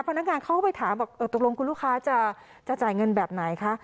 พนักงานเขาก็ไปถามบอกตกลงคุณลูกค้าจะจ่ายเงินแบบไหนคะ